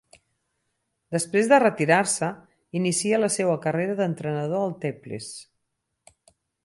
Després de retirar-se, inicia la seua carrera d'entrenador al Teplice.